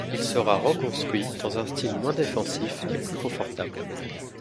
Il sera reconstruit dans un style moins défensif et plus confortable.